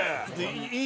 いい？